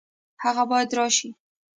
هغه باید راشي